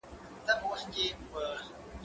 زه پرون د ښوونځی لپاره تياری کوم؟